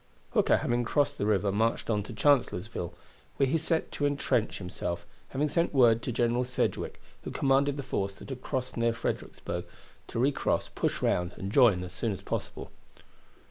Hooker having crossed the river, marched on to Chancellorsville, where he set to to entrench himself, having sent word to General Sedgwick, who commanded the force that had crossed near Fredericksburg, to recross, push round, and join as soon as possible.